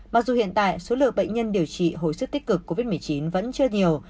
mặc dù hiện tại số lượng bệnh nhân điều trị hồi sức tích cực covid một mươi chín vẫn chưa nhiều